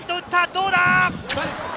どうだ？